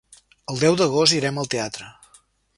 El deu d'agost irem al teatre.